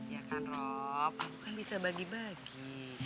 ya kan rob aku kan bisa bagi bagi